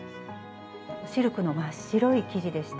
シルクの真っ白い生地でした。